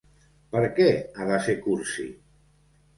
Per què ha de ser cursi?